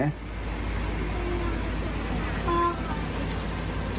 นอนกับพ่อ